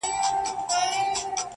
وبېرېدم.